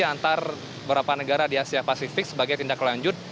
antara beberapa negara di asia pasifik sebagai tindak lanjut